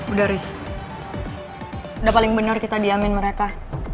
udah riz udah paling bener kita diamin mereka